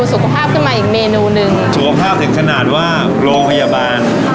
สุขภาพขึ้นมาอีกเมนูหนึ่งสุขภาพถึงขนาดว่าโรงพยาบาล